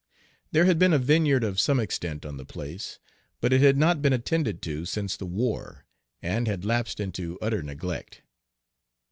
There had been a vineyard of some extent on the place, but it had not been attended to since the war, and had lapsed into utter neglect.